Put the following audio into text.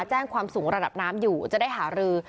แจ้งความสูงระดับน้ำอยู่จะได้หารือ